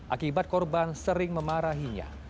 akibat korban sering memarahinya